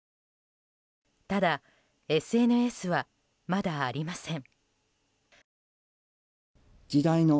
ただ、ＳＮＳはまだありません。